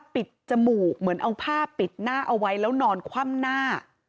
จมูกเหมือนเอาผ้าปิดหน้าเอาไว้แล้วนอนคว่ำหน้า